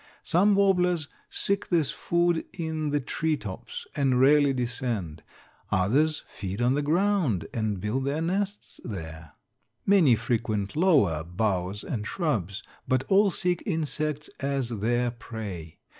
Some warblers seek this food in the tree tops, and rarely descend; others feed on the ground and build their nests there. Many frequent lower boughs and shrubs, but all seek insects as their prey.